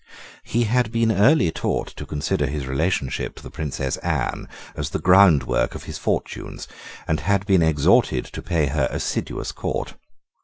He had been early taught to consider his relationship to the Princess Anne as the groundwork of his fortunes, and had been exhorted to pay her assiduous court.